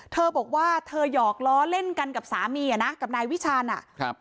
เธอบอกว่าเธอหยอกล้อเล่นกันกับสามีอ่ะนะกับนายวิชาณอ่ะครับ